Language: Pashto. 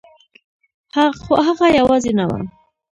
خو هغه یوازې نه وه